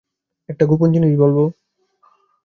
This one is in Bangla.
একটা গোপন জিনিস বলবো?